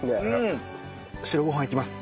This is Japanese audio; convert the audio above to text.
白ご飯いきます。